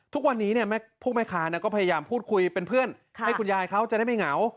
ทุกวันนี้พวกแม่ค้าก็พยายามพูดคุยเป็นเพื่อนให้คุณยายเขาจะได้ไม่เหงา